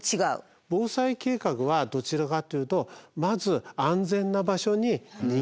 防災計画はどちらかというとまず安全な場所に逃げる。